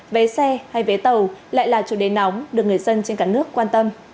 vé xe hay vé tàu lại là chủ đề nóng được người dân trên cả nước quan tâm